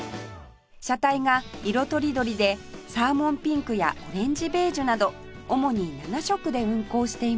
車体が色とりどりでサーモンピンクやオレンジベージュなど主に７色で運行しています